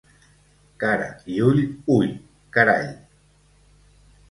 Cara i ull ui, carall!